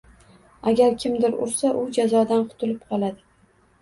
Agar kimdir ursa, u jazodan qutulib qoladi